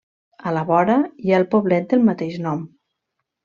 A la vora, hi ha el poblet del mateix nom.